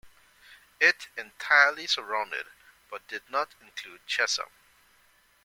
It entirely surrounded but did not include Chesham.